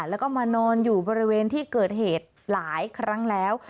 แล้วก็มานอนอยู่บริเวณที่เกิดเหตุหลายครั้งแล้ว